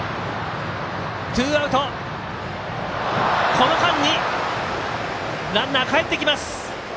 この間にランナーかえってきます。